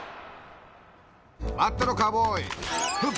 「待ってろカウボーイ」